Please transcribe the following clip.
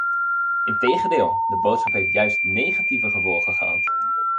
Integendeel, de boodschap heeft juist negatieve gevolgen gehad.